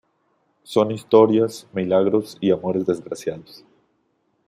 Son historias, milagros y amores desgraciados.